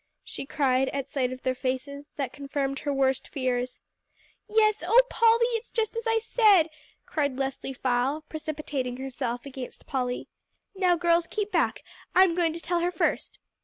she cried at sight of their faces that confirmed her worst fears. "Yes, oh Polly, it's just as I said," cried Leslie Fyle, precipitating herself against Polly. "Now, girls, keep back; I'm going to tell her first."